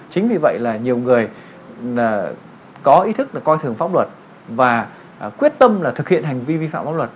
chính vì vậy là nhiều người có ý thức coi thường pháp luật và quyết tâm là thực hiện hành vi vi phạm pháp luật